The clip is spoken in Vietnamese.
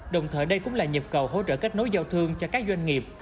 đồng thời đây cũng là nhập cầu hỗ trợ kết nối giao thương cho các doanh nghiệp